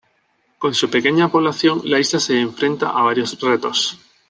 Con su pequeña población, la isla se enfrenta a varios retos.